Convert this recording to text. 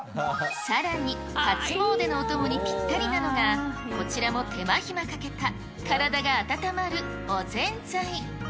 さらに初詣のお供にぴったりなのが、こちらも手間暇かけた、体が温まるおぜんざい。